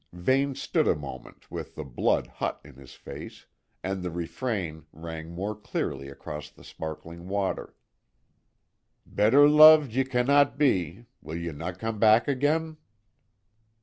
Vane stood still a moment with the blood hot in his face, and the refrain rang more clearly across the sparkling water: "Better lo'ed ye cannot be, Will ye no come back again?"